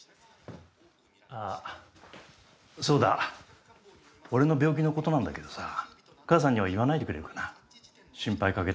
ああ、そうだ、俺の病気のことなんだけどさ、母さんには言わないでくれるかな。